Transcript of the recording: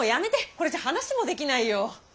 これじゃ話もできないよ！